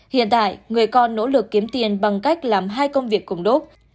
hiện tại người con nỗ lực kiếm tiền bằng cách làm hai công việc cùng đốt